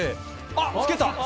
あっ、つけた！